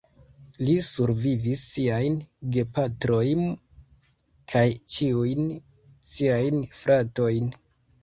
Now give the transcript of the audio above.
Li survivis siajn gepatrojm kaj ĉiujn siajn fratojn.